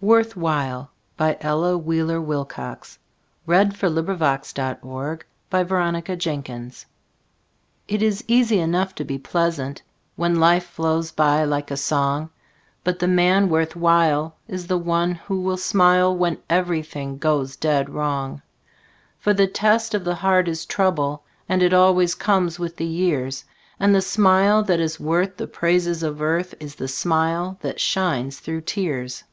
Worth while1914Ella Wheeler Wilcox It is easy enough to be pleasant When life flows by like a song, But the man worth while is the one who will smile When everything goes dead wrong. For the test of the heart is trouble, And it always comes with the years, And the smile that is worth the praises of earth Is the smile that shines through tears.